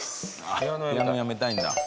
ピアノやめたいんだ。